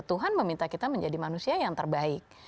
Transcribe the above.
tuhan meminta kita menjadi manusia yang terbaik